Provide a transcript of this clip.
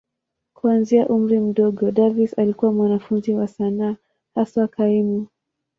Kuanzia umri mdogo, Davis alikuwa mwanafunzi wa sanaa, haswa kaimu.